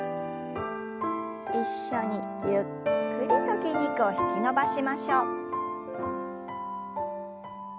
一緒にゆっくりと筋肉を引き伸ばしましょう。